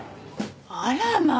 あらまあ